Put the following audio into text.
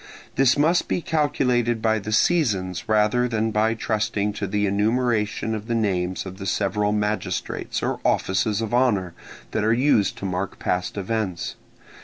This must be calculated by the seasons rather than by trusting to the enumeration of the names of the several magistrates or offices of honour that are used to mark past events.